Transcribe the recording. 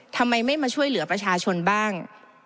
ทำไมไม่มาช่วยเหลือประชาชนบ้าง